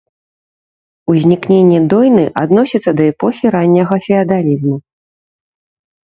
Узнікненне дойны адносіцца да эпохі ранняга феадалізму.